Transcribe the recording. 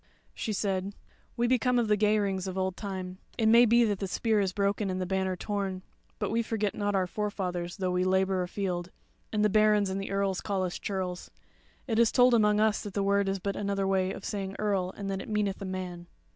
She said: "We be come of the Geirings of old time: it may be that the spear is broken, and the banner torn; but we forget not our forefathers, though we labour afield, and the barons and the earls call us churls. It is told amongst us that that word is but another way of saying earl and that it meaneth a man."